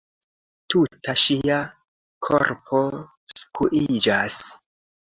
Tuta ŝia korpo skuiĝas.